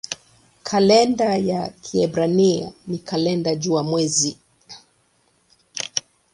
Kalenda ya Kiebrania ni kalenda jua-mwezi.